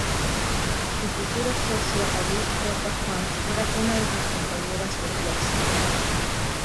Su futura socia Alice J. Hands era una de su compañeras de clase.